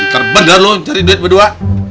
terbener lu cari duit berdua